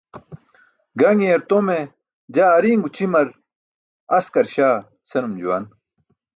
Gaṅiyar tome, "jaa ari̇n gućʰiyamar askarśaa" senum juwan.